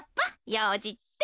ようじって。